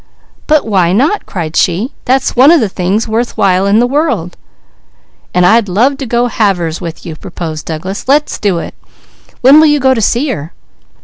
"But why not?" cried she. "That's one of the things worth while in the world." "I'd love to go halvers with you," proposed Douglas. "Let's do it! When will you go to see her?"